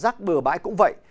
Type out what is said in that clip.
xả rác bừa bãi cũng vậy